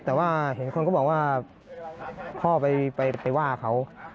แต่ว่าเห็นคนก็บอกว่าพ่อไปว่าเขา